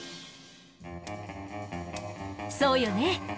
そうよね